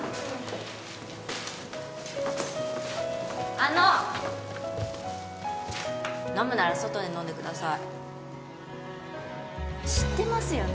あの飲むなら外で飲んでください知ってますよね？